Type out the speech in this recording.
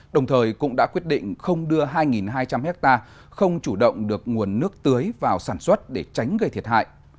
đồng thời cũng đã quyết định không đưa hai hai trăm linh hectare không chủ động được nguồn nước tưới vào sản xuất để tránh gây thiệt hại